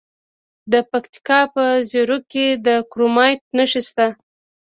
د پکتیکا په زیروک کې د کرومایټ نښې شته.